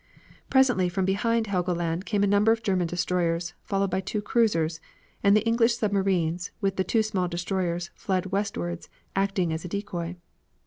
Presently from behind Helgoland came a number of German destroyers, followed by two cruisers; and the English submarines, with the two small destroyers, fled westwards, acting as a decoy.